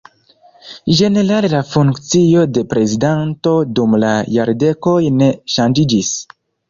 Ĝenerale la funkcio de prezidanto dum la jardekoj ne ŝanĝiĝis.